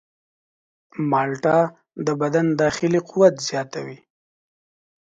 مالټه د بدن داخلي قوت زیاتوي.